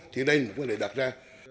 thì đây là một vấn đề đạt ra